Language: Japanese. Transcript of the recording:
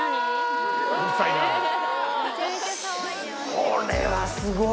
これはすごい！